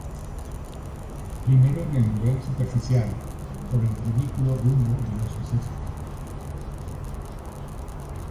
Primero en el nivel superficial, por el ridículo rumbo de los sucesos.